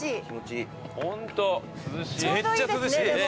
気持ちいい。